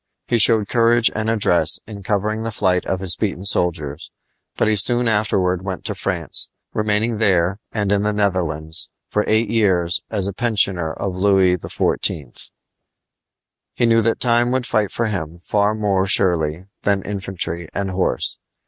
He showed courage and address in covering the flight of his beaten soldiers; but he soon afterward went to France, remaining there and in the Netherlands for eight years as a pensioner of Louis XIV. He knew that time would fight for him far more surely than infantry and horse.